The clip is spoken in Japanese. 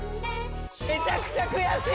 めちゃくちゃ悔しい！